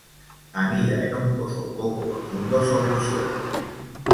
Anida en un pozo poco profundo sobre el suelo.